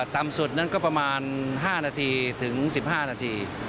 ตำสุดก็ประมาณ๕๑๕นาที